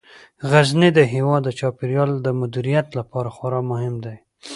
غزني د هیواد د چاپیریال د مدیریت لپاره خورا مهم دی.